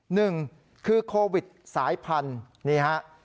หนึ่งคือโควิดสายพันธุ์นี่ฮะ